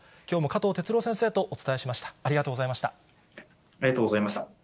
きょうも加藤哲朗先生とお伝えしました。